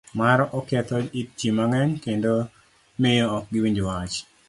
C. mar Oketho it ji mang'eny kendo miyo ok giwinj maber